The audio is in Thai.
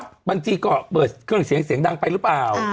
บางทีก็เปิดเครื่องเสียงเสียงดังไปหรือเปล่า